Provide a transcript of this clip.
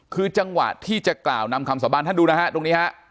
คือจังหวะที่จะกล่าวนำคำสาบานท่านดูนะฮะตรงนี้ฮะ